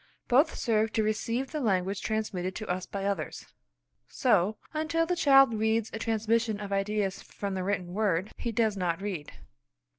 Both serve to receive the language transmitted to us by others. So, until the child reads a transmission of ideas from the written word, he does not read.